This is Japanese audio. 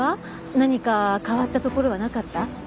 何か変わったところはなかった？